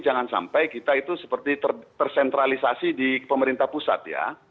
jangan sampai kita itu seperti tersentralisasi di pemerintah pusat ya